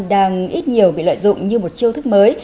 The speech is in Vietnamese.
đang ít nhiều bị lợi dụng như một chiêu thức mới